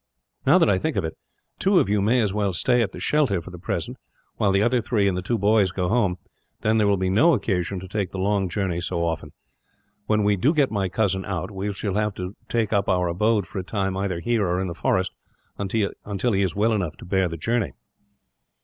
"Now that I think of it, two of you may as well stay at the shelter, for the present, while the other three and the two boys go home. Then there will be no occasion to take the long journey so often. When we do get my cousin out, we shall have to take up our abode, for a time, either here or in the forest, until he is well enough to bear the journey."